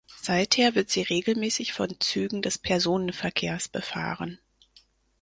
Seither wird sie regelmäßig von Zügen des Personenverkehrs befahren.